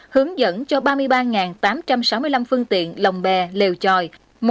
hướng dẫn cho ba mươi ba tám trăm sáu mươi năm phương tiện lòng bè lều tròi